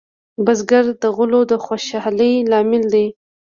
بزګر د غلو د خوشحالۍ لامل دی